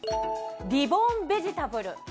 リボーンベジタブル。